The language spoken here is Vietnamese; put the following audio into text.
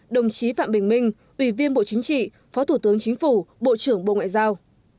một mươi một đồng chí phạm bình minh ủy viên bộ chính trị phó thủ tướng chính phủ bộ trưởng bộ ngoại giao